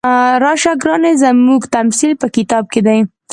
راشه ګرانې زموږ تمثیل په کتاب کې دی.